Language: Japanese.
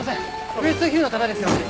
ウエストヒルの方ですよね？